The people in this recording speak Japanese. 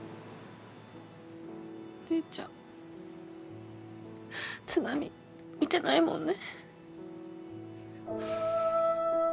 お姉ちゃん津波見てないもんね。